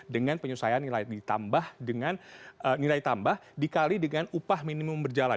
dengan penyesuaian nilai tambah dikali dengan upah minimum berjalan